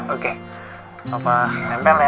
oke papa tempel ya